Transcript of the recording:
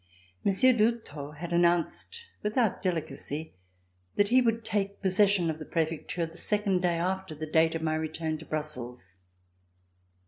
Monsieur d'Houdetot had announced, without delicacy, that he would take possession of the Prefecture the second day after the date of my return to Brussels.